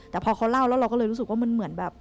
แต่พอเขาเล่าแล้วเราก็เลยรู้สึกว่ามันเหมือนแบบ